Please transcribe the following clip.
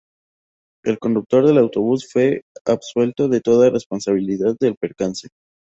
El conductor del autobús fue absuelto de toda responsabilidad del percance.